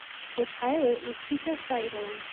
The pilot was Peter Siebold.